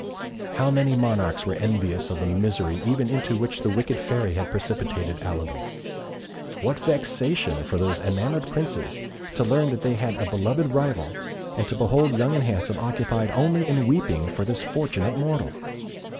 How many monarchs were envious of the misery even into which the wicked Fairy had precipitated Alidor? What vexation for these enamoured princes to learn that they had a beloved rival, and to behold Young and Handsome occupied only in weeping for this fortunate mortal!